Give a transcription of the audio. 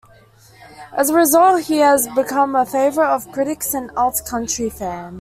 As a result, he has become a favorite of critics and alt-country fans.